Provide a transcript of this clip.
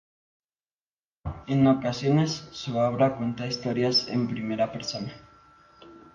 En ocasiones su obra cuenta historias en primera persona.